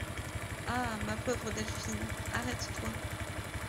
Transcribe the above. Ah ! ma pauvre Delphine, arrête-toi.